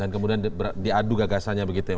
dan kemudian diadu gagasannya begitu ya